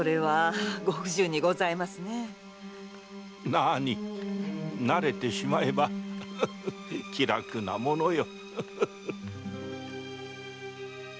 なあに慣れてしまえば気楽なものよ。